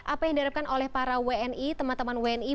apa yang diharapkan oleh para wni teman teman wni